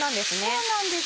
そうなんです。